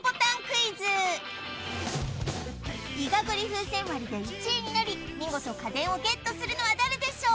イガグリ風船割りで１位になり見事家電をゲットするのは誰でしょう？